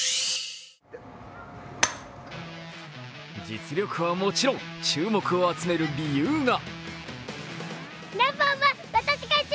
実力はもちろん、注目を集める理由が。